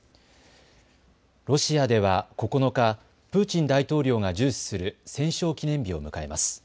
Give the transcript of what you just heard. ロシアでは９日、プーチン大統領が重視する戦勝記念日を迎えます。